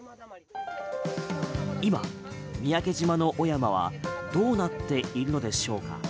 今、三宅島の雄山はどうなっているのでしょうか？